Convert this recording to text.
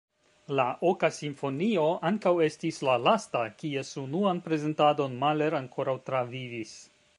La oka simfonio ankaŭ estis la lasta, kies unuan prezentadon Mahler ankoraŭ travivis.